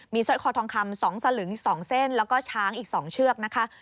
สร้อยคอทองคำ๒สลึง๒เส้นแล้วก็ช้างอีก๒เชือกนะคะ